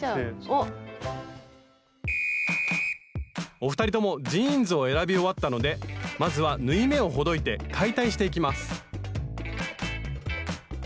お二人ともジーンズを選び終わったのでまずは縫い目をほどいて解体していきます